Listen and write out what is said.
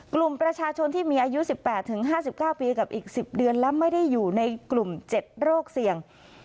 กลุ่มประชาชนที่มีอายุ๑๘๕๙ปีกับอีก๑๐เดือนและไม่ได้อยู่ในกลุ่ม๗โรคเสี่ยง